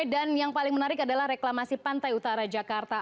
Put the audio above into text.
dan yang paling menarik adalah reklamasi pantai utara jakarta